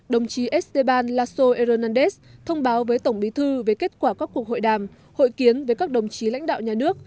đồng chí esteban laso eronandez thông báo với tổng bí thư về kết quả các cuộc hội đàm hội kiến với các đồng chí lãnh đạo nhà nước